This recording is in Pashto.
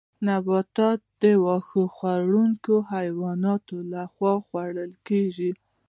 نباتات د واښه خوړونکو حیواناتو لخوا خوړل کیږي